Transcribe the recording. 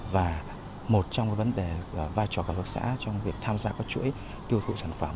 và một trong vấn đề và vai trò của quốc xã trong việc tham gia các chuỗi tiêu thụ sản phẩm